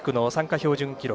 標準記録